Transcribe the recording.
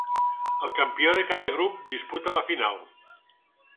El campió de cada grup disputà la final.